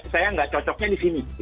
saya nggak cocoknya di sini